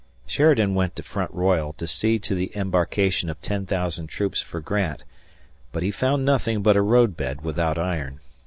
Sheridan went to Front Royal to see to the embarkation of 10,000 troops for Grant, but he found nothing but a roadbed without iron.